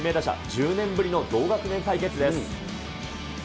１０年ぶりの同学年対決です。